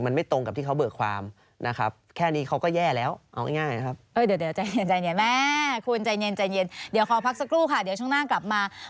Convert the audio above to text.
มันไม่ตรงกับที่เขาเบิกความนะครับ